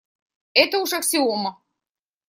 Это уж аксиома.